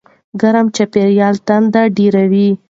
ګرم چاپېریال تنده ډېروي.